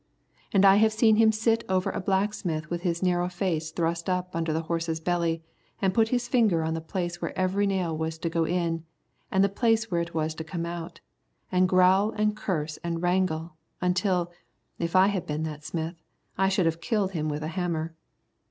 And I have seen him sit over a blacksmith with his narrow face thrust up under the horse's belly, and put his finger on the place where every nail was to go in and the place where it was to come out, and growl and curse and wrangle, until, if I had been that smith, I should have killed him with a hammer.